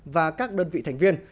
và các đơn vị thành viên